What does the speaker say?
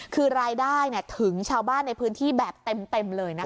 คือรายได้ถึงชาวบ้านในพื้นที่แบบเต็มเลยนะคะ